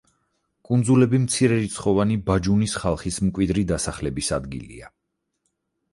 კუნძულები მცირერიცხოვანი ბაჯუნის ხალხის მკვიდრი დასახლების ადგილია.